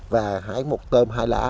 và hái một tôm hai lã